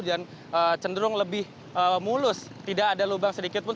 dan cenderung lebih mulus tidak ada lubang sedikit pun